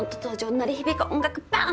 鳴り響く音楽バーン！